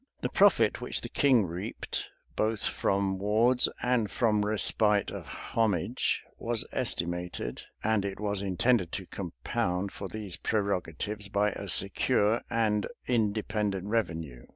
The profit which the king reaped, both from wards and from respite of homage, was estimated; and it was intended to compound for these prerogatives by a secure and independent revenue.